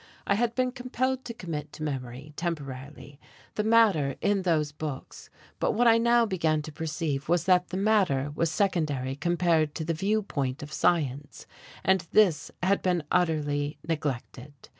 I had been compelled to commit to memory, temporarily, the matter in those books; but what I now began to perceive was that the matter was secondary compared to the view point of science and this had been utterly neglected.